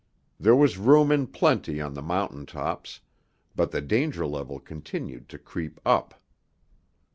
There was room in plenty on the mountaintops but the danger level continued to creep up.